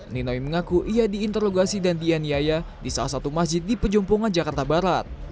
ninoi mengaku ia diinterogasi dan dianiaya di salah satu masjid di pejumpungan jakarta barat